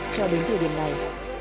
cho đến thời điểm này